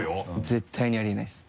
絶対にあり得ないです